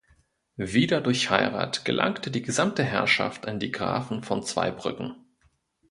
Wieder durch Heirat gelangte die gesamte Herrschaft an die Grafen von Zweibrücken.